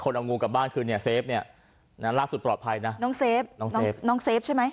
น้องเซฟใช่ไหม